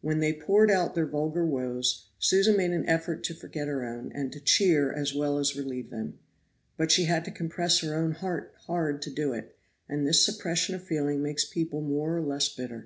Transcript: When they poured out their vulgar woes, Susan made an effort to forget her own and to cheer as well as relieve them. But she had to compress her own heart hard to do it; and this suppression of feeling makes people more or less bitter.